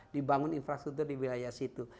dibangun infrastruktur di wilayah situ